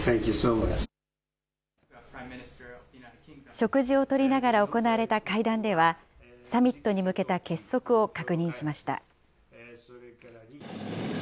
食事をとりながら行われた会談では、サミットに向けた結束を確認しました。